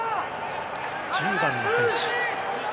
１０番の選手。